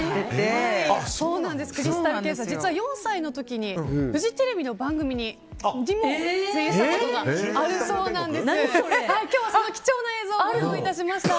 実は４歳の時フジテレビの番組に出演されたことがあるそうなんです。今日は貴重な映像を用意しました。